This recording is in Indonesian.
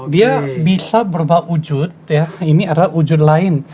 dia bisa berubah wujud ya ini adalah wujud lain